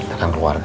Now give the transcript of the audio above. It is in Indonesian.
akan keluar dah